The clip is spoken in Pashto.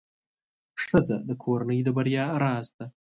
ښځه د کورنۍ د بریا راز ده.